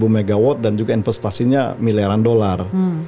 seribu megawatt dan juga investasinya miliaran dolar